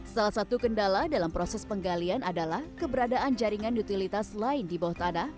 salah satu kendala dalam proses penggalian adalah keberadaan jaringan utilitas lain di bawah tanah